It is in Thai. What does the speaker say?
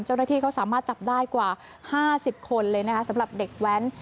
เจ้าหน้าที่เขาสามารถจับได้กว่า๕๐คนเลยนะคะสำหรับเด็กแว้น